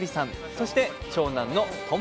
そして長男の友樹さん。